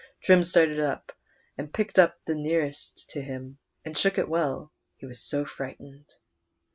Trim started up, and picked up that nearest to him, and shook it well, he was so frightened.